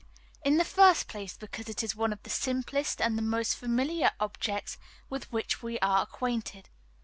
In the first place, because it is one of the simplest and the most familiar objects with which we are acquainted.